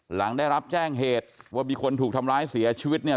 หลังได้รับแจ้งเหตุว่ามีคนถูกทำร้ายเสียชีวิตเนี่ย